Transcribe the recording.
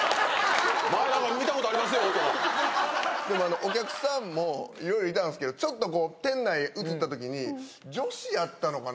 お客さんも色々いたんですけどちょっと店内映ったときに女子やったのかな。